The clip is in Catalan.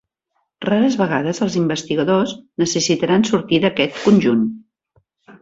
Rares vegades els investigadors necessitaran sortir d'aquest conjunt.